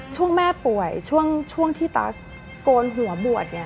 ช่วงแม่ป่วยช่วงที่ตั๊กโกนหัวบวชเนี่ย